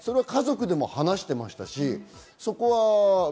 家族でも話していましたし。